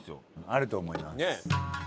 あると思います。